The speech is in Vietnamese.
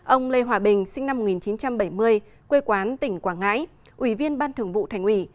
ông lê hòa bình sinh năm một nghìn chín trăm bảy mươi quê quán tỉnh quảng ngãi ủy viên ban thường vụ thành ủy